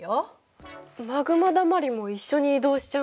マグマだまりも一緒に移動しちゃうんだ。